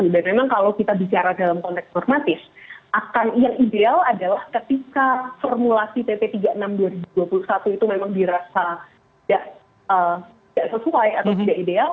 dan memang kalau kita bicara dalam konteks normatif yang ideal adalah ketika formulasi pp tiga puluh enam dua ribu dua puluh satu itu memang dirasa tidak sesuai atau tidak ideal